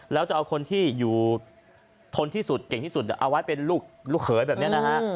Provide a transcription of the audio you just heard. แล้วจะเอาคนที่อยู่ทนที่สุดเก่งที่สุดเอาไว้เป็นลูกเขยแบบนี้นะฮะ